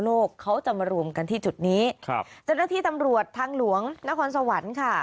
เขาจะมารวมกันที่จุดนี้ครับเจ้าหน้าที่ตำรวจทางหลวงนครสวรรค์ค่ะ